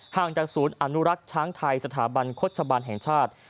จากศูนย์อนุรักษ์ช้างไทยสถาบันโฆษบาลแห่งชาติ